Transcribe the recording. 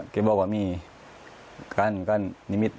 เขาบอกว่ามีการนิมิต